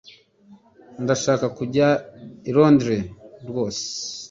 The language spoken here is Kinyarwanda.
Ndashaka kujya i Londres rwose